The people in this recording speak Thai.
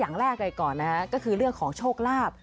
อย่างแรกเลยก่อนนะฮะก็คือเรื่องของโชคลาภ